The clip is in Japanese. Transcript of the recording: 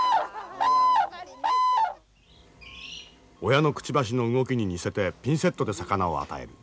親のくちばしの動きに似せてピンセットで魚を与える。